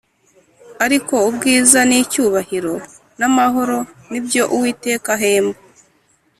Ariko ubwiza n icyubahiro n amahoro ni byo uwiteka ahemba